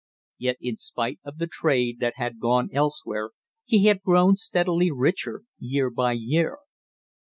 Yet in spite of the trade that had gone elsewhere he had grown steadily richer year by year.